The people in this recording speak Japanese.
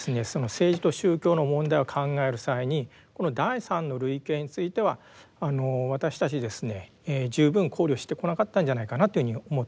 政治と宗教の問題を考える際にこの第三の類型についてはあの私たちですね十分考慮してこなかったんじゃないかなっていうふうに思っております。